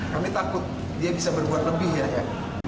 kami takut dia bisa berbuat lebih ya